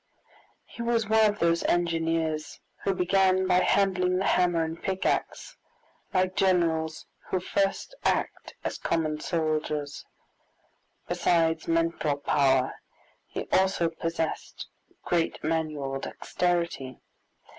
He was one of those engineers who began by handling the hammer and pickaxe, like generals who first act as common soldiers. Besides mental power, he also possessed great manual dexterity.